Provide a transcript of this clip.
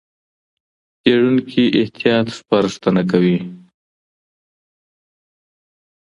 څېړونکي احتیاط سپارښتنه کوي.